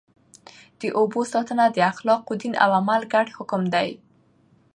د اوبو ساتنه د اخلاقو، دین او عقل ګډ حکم دی.